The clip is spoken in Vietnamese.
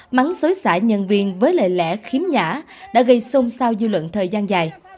mắng xối xã nhân viên với lệ lẽ khiếm nhã đã gây xông sao dư luận thời gian dài